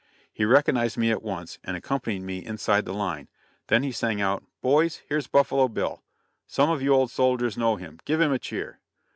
He recognized me at once, and accompanied me inside the line; then he sang out, "Boys, here's Buffalo Bill. Some of you old soldiers know him; give him a cheer!"